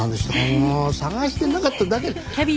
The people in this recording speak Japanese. もう捜してなかっただけ。